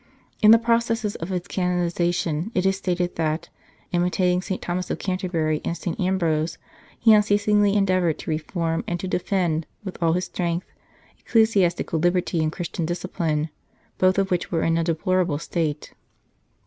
In the processes of his canonization it is stated that, " imitating St. Thomas of Canterbury and St. Ambrose, he unceasingly endeavoured to re form, and to defend with all his strength, eccle siastical liberty and Christian discipline, both of which were in a deplorable state."